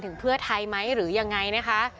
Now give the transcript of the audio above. เพื่อไทยไหมหรือยังไงนะคะ